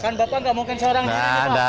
kan bapak nggak mungkin seorang diri